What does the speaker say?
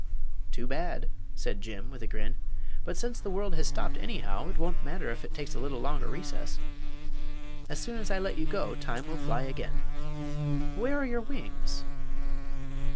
"Too bad!" said Jim, with a grin. "But since the world has stopped anyhow, it won't matter if it takes a little longer recess. As soon as I let you go Time will fly again. Where are your wings?"